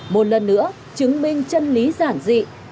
một lần nữa chứng minh chân lý giản dị